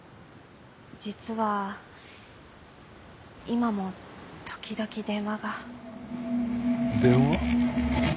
実は今も時々電話が。